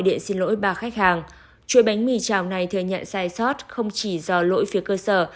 điện xin lỗi ba khách hàng chuỗi bánh mì chảo này thừa nhận sai sót không chỉ do lỗi phía cơ sở